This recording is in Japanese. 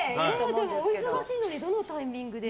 でもお忙しいのにどのタイミングで？